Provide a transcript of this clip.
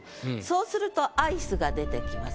そうすると「アイス」が出てきます。